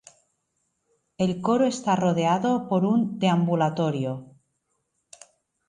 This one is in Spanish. El coro está rodeado por un deambulatorio.